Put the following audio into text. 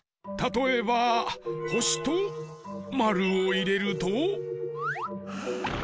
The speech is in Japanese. たとえばほしとまるをいれると。